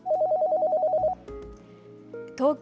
東京